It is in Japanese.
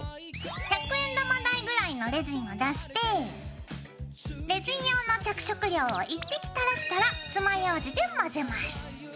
百円玉大ぐらいのレジンを出してレジン用の着色料を１滴たらしたら爪ようじで混ぜます。